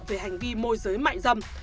về hành vi môi giới mạnh rầm